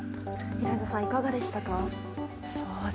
エライザさんいかがでしたか？